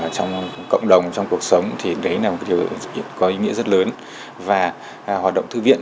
trong cộng đồng trong cuộc sống thì đấy là một điều có ý nghĩa rất lớn và hoạt động thư viện